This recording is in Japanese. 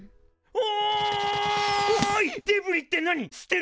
お！